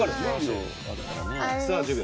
さあ１０秒。